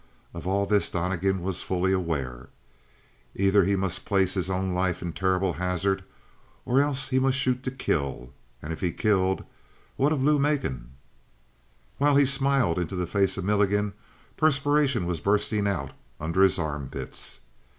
Of all this Donnegan was fully aware. Either he must place his own life in terrible hazard or else he must shoot to kill; and if he killed, what of Lou Macon? While he smiled into the face of Milligan, perspiration was bursting out under his armpits.